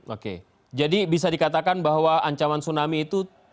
oke jadi bisa dikatakan bahwa ancaman tsunami itu